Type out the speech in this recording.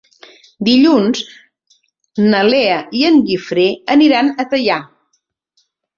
Dilluns na Lea i en Guifré aniran a Teià.